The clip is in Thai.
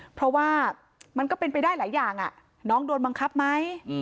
เพราะว่ามันก็เป็นไปได้หลายอย่างน้องโดนบังคับไหม